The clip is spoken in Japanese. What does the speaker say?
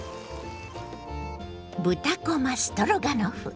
「豚こまストロガノフ」。